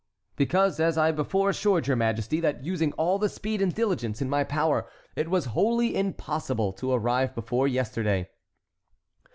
"Because, as I before assured your majesty, that using all the speed and diligence in my power, it was wholly impossible to arrive before yesterday."